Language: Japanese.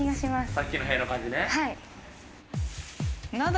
さっきの部屋の感じね。